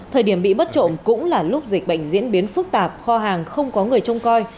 thời điểm bị bất trộm cũng là lúc dịch bệnh diễn biến phức tạp kho hàng không có người trông coi